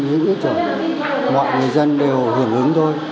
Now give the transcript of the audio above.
mọi người dân đều hưởng ứng thôi